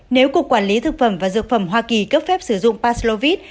nếu cục quản lý thực phẩm và dược phẩm hoa kỳ cấp phép sử dụng paslovit